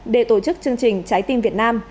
để tổ chức chương trình trái tim việt nam